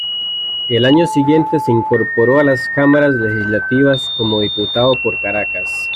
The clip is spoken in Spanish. Al año siguiente se incorporó a las Cámaras Legislativas como diputado por Caracas.